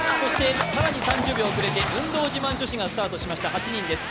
更に３０秒遅れて、運動自慢女子がスタートしました、８人です。